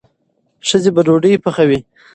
ښځې به ډوډۍ پخوي.